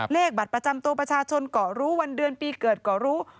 เลขบัตรประจำตัวประชาชนก็รู้วันเดือนปีเกิดก็รู้